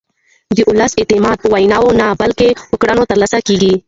د ولس اعتماد په ویناوو نه بلکې په کړنو ترلاسه کېږي